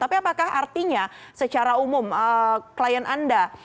tapi apakah artinya secara umum klien anda